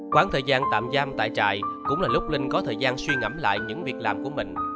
khoảng thời gian tạm giam tại trại cũng là lúc linh có thời gian suy ngẫm lại những việc làm của mình